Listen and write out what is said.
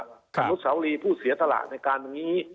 อนุสาวรีผู้เสียสละในการตรงนี้